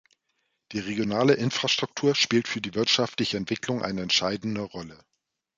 Die regionale Infrastruktur spielt für die wirtschaftliche Entwicklung eine entscheidende Rolle.